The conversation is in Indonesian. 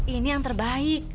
ini yang terbaik